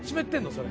それ。